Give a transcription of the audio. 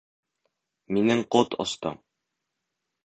Минең ҡот осто.